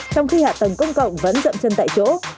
trong khi hạ tầng công cộng vẫn dậm chân tại chỗ